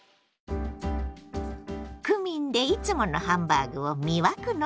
クミンでいつものハンバーグを魅惑の一皿に。